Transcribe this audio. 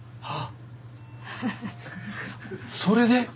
あっそれで？